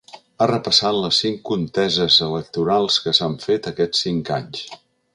Ha repassat les cinc conteses electorals que s’han fet aquests cinc anys.